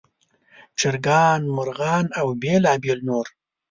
چرګان، مرغان او بېلابېل نور.